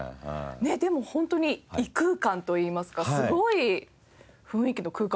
でも本当に異空間といいますかすごい雰囲気の空間でしたね。